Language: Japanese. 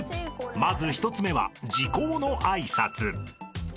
［まず１つ目は時候の挨拶］